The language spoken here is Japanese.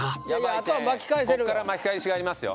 あとは巻き返せるかこっから巻き返しがありますよ